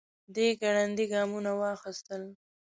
دی ګړندي ګامونه واخيستل.